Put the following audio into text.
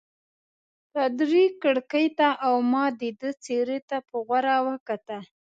پادري کړکۍ ته او ما د ده څېرې ته په غور وکتل.